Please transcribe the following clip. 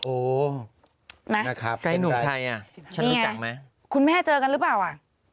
นะครับไอ้หนุ่มใครอ่ะฉันรู้จักไหมคุณแม่เจอกันหรือเปล่าอ่ะ